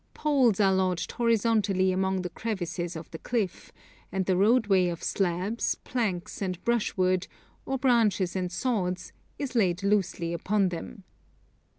poles are lodged horizontally among the crevices of the cliff, and the roadway of slabs, planks, and brushwood, or branches and sods, is laid loosely upon them.